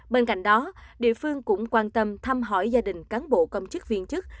bên cạnh đó địa phương cũng quan tâm thăm hỏi gia đình cán bộ công chức viên chức